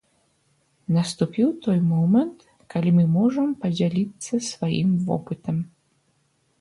Наступіў той момант, калі мы можам падзяліцца сваім вопытам.